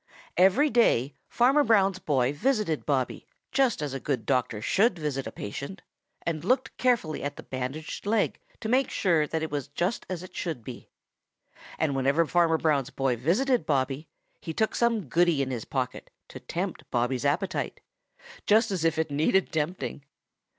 Every day Farmer Brown's boy visited Bobby, just as a good doctor should visit a patient, and looked carefully at the bandaged leg to make sure that it was as it should be. And whenever Farmer Brown's boy visited Bobby, he took some goody in his pocket to tempt Bobby's appetite, just as if it needed tempting!